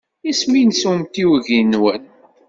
Isem-nnes umtiweg-nwen?